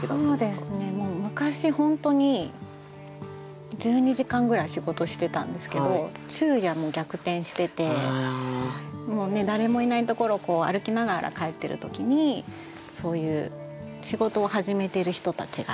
そうですね昔本当に１２時間ぐらい仕事してたんですけど昼夜も逆転しててもう誰もいないところ歩きながら帰ってる時にそういう仕事を始めてる人たちがいて。